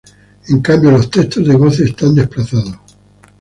En cambio, los textos de goce están desplazados.